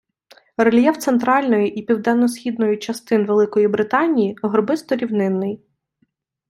Рельєф центральної, і південно-східної частин Великої Британії горбисто-рівнинний.